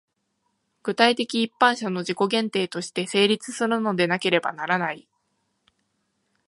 具体的一般者の自己限定として成立するのでなければならない。